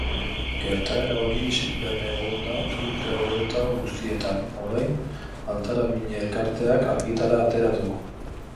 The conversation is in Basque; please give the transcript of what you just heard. Gertaera hori isilpean egon da urte hauetan guztietan, orain, Ataramiñe elkarteak argitara atera du.